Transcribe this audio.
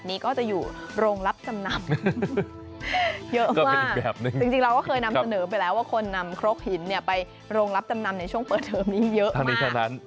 นี่คือนำเสนอไปแล้วว่าคนนำครกหินไปโรงรับจำนำในช่วงเปิดเทิมนี้เยอะมาก